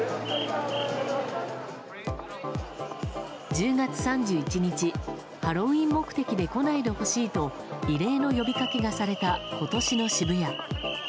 １０月３１日ハロウィーン目的で来ないでほしいと異例の呼びかけがされた今年の渋谷。